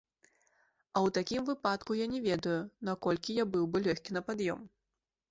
А ў такім выпадку я не ведаю, наколькі я быў бы лёгкі на пад'ём.